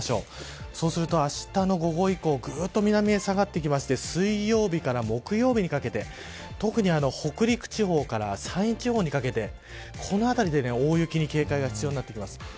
そうすると、あしたの午後以降ぐっと南へ下がってきて水曜日から木曜日にかけて特に北陸地方から山陰地方にかけてこの辺りで大雪に警戒が必要になってきます。